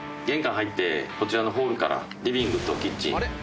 玄関入ってこちらのホールからリビングとキッチン